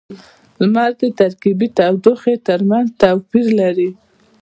• لمر د ترکيبی تودوخې ترمینځ توپیر لري.